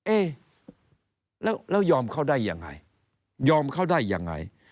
เอ๊แล้วยอมเข้าได้ยังไง